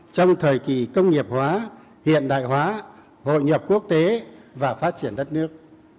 trong thời kỳ công nghiệp hóa hiện đại hóa hội nhập quốc tế và phát triển đất nước